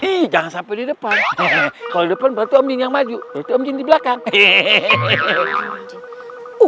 iya jangan sampe di depan hehehe kalo di depan berarti om jin yang maju berarti om jin di belakang hehehe